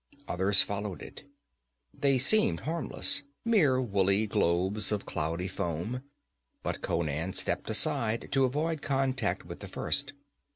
Others followed it. They seemed harmless, mere woolly globes of cloudy foam, but Conan stepped aside to avoid contact with the first.